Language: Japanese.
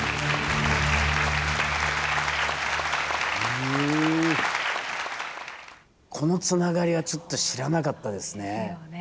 うんこのつながりはちょっと知らなかったですね。ですよね。